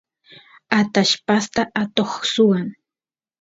atallpasta atoq swan